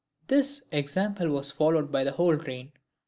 This example was followed by the whole train.